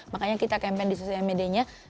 makanya kita campaign di sosial media nya